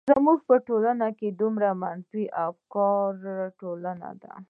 زمونږ ټولنه ډيره منفی فکره ټولنه ده.